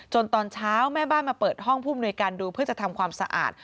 ตอนเช้าแม่บ้านมาเปิดห้องผู้อำนวยการดูเพื่อจะทำความสะอาด